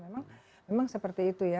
memang seperti itu ya